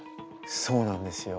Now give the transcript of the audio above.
そうなんですよ。